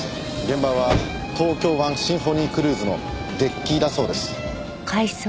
現場は東京湾シンフォニークルーズのデッキだそうです。